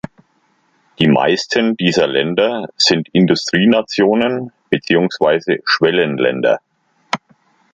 Die meisten dieser Länder sind Industrienationen beziehungsweise Schwellenländer.